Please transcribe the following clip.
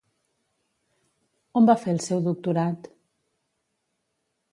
On va fer el seu doctorat?